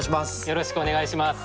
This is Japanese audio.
よろしくお願いします。